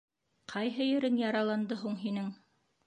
— Ҡайһы ерең яраланды һуң һинең?